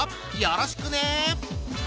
よろしくね！